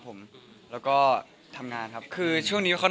แฟนเมอร์หรือเป็น